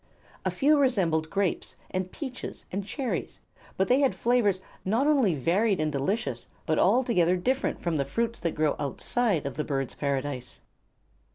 A few resembled grapes and peaches and cherries; but they had flavors not only varied and delicious but altogether different from the fruits that grow outside of the Birds' Paradise.